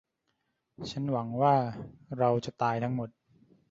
ฉันหวังว่าเราจะตายทั้งหมด